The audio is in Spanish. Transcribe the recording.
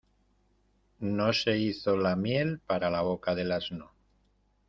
No se hizo la miel para la boca del asno.